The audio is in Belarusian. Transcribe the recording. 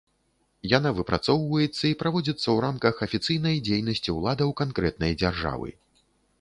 Яна выпрацоўваецца і праводзіцца ў рамках афіцыйнай дзейнасці ўладаў канкрэтнай дзяржавы.